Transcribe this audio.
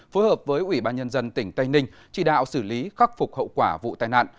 phối hợp với ubnd tỉnh tây ninh chỉ đạo xử lý khắc phục hậu quả vụ tai nạn